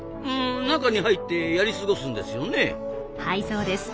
中に入ってやり過ごすんですよね。